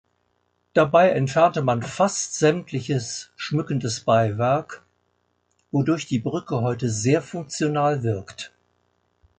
Dabei entfernte man fast sämtliches schmückendes Beiwerk, wodurch die Brücke heute sehr funktional wirkt.